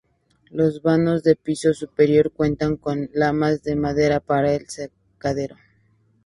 Los vanos del piso superior cuentan con lamas de madera para el secadero.